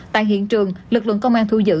tại hiện trường lực lượng công an thu giữ